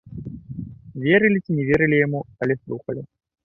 Верылі ці не верылі яму, але слухалі.